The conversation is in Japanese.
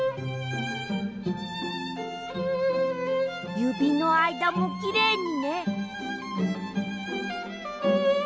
ゆびのあいだもきれいにね。